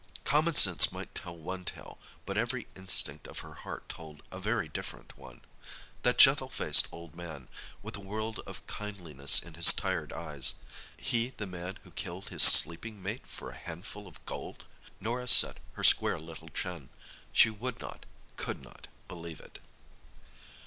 Common sense might tell one tale, but every instinct of her heart told a very different one. That gentle faced old man, with a world of kindness in his tired eyes—he the man who killed his sleeping mate for a handful of gold! Norah set her square little chin. She would not—could not—believe it.